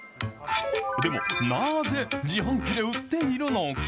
でも、なぜ自販機で売っているのか。